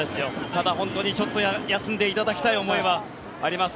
ただ、本当にちょっと休んでいただきたい思いはあります。